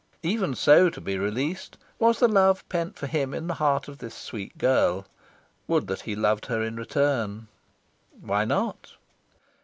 Even so to be released was the love pent for him in the heart of this sweet girl. Would that he loved her in return!... Why not?